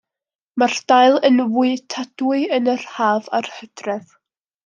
Mae'r dail yn fwytadwy yn yr haf a'r hydref.